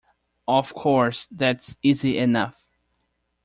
Of course that’s easy enough.